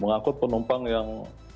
mengangkut penumpang yang